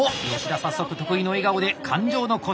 早速得意の笑顔で感情の固定！